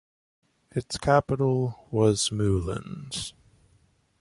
Its capital was Moulins.